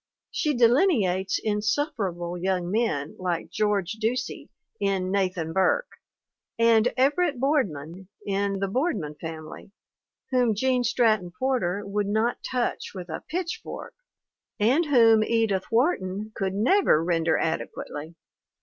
She delineates insufferable young men like George Ducey in Nathan Burke and Everett Boardman in The Boardman Family whom Gene Stratton Porter would not touch with a pitch fork and whom Edith Wharton could never render adequately.